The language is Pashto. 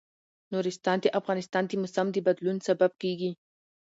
نورستان د افغانستان د موسم د بدلون سبب کېږي.